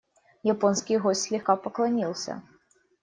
Японский гость слегка поклонился.